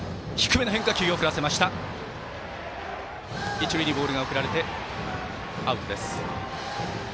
一塁にボールが送られてアウト。